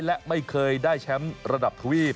และไม่เคยได้แชมป์ระดับทวีป